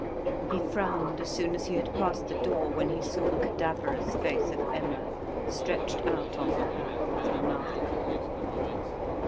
He frowned as soon as he had passed the door when he saw the cadaverous face of Emma stretched out on her back with her mouth open.